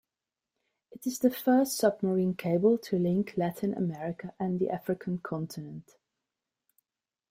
It is the first submarine cable to link Latin America and the African continent.